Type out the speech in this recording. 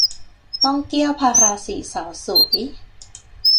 ต้องเกี้ยวพาราสีสาวสวย